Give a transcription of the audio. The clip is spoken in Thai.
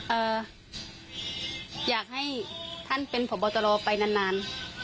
เอ่ออยากให้ท่านเป็นพบตรไปนานนาน